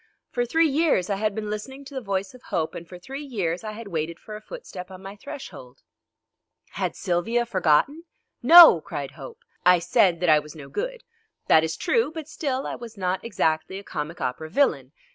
For three years I had been listening to the voice of Hope, and for three years I had waited for a footstep on my threshold. Had Sylvia forgotten? "No!" cried Hope. I said that I was no good. That is true, but still I was not exactly a comic opera villain.